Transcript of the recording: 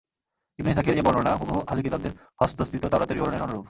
ইবন ইসহাকের এ বর্ণনা হুবহু আহলি কিতাবদের হস্তস্থিত তাওরাতের বিবরণের অনুরূপ।